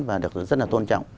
và được rất là tôn trọng